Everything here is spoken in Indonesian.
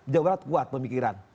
jawa barat kuat pemikiran